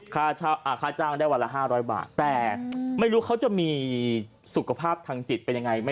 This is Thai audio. ค่าจ้างได้วันละ๕๐๐บาทแต่ไม่รู้เขาจะมีสุขภาพทางจิตเป็นยังไง